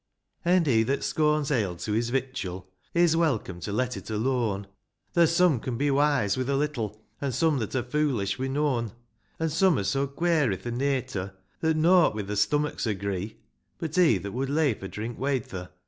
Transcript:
An' he that scorns ale to his victual, Is welcome to let it alone ; There's some can be wise with a little, An' some that are foolish wi' noan ; An' some are so quare i' their natur'. That nought wi' their stomachs agree ; But, he that would leifer^ drink wayter.